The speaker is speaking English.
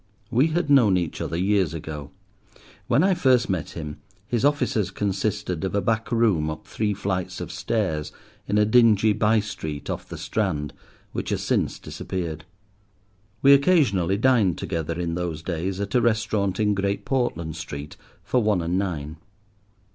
We had known each other years ago. When I first met him his offices consisted of a back room up three flights of stairs in a dingy by street off the Strand, which has since disappeared. We occasionally dined together, in those days, at a restaurant in Great Portland Street, for one and nine.